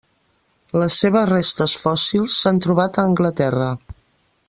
Les seves restes fòssils s'han trobat a Anglaterra.